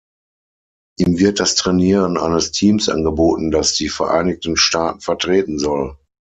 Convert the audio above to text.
Ihm wird das Trainieren eines Teams angeboten, das die Vereinigten Staaten vertreten soll.